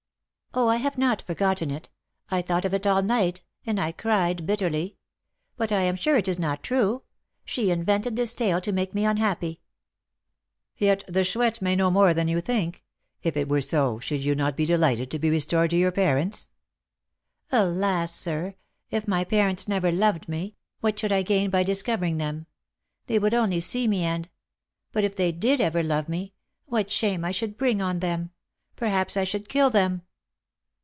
"Oh! I have not forgotten it; I thought of it all night, and I cried bitterly; but I am sure it is not true; she invented this tale to make me unhappy." "Yet the Chouette may know more than you think. If it were so, should you not be delighted to be restored to your parents?" "Alas, sir! if my parents never loved me, what should I gain by discovering them? They would only see me and But if they did ever love me, what shame I should bring on them! Perhaps I should kill them!"